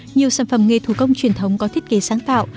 nhiều sản phẩm nghề thủ công truyền thống có thiết kế sáng tạo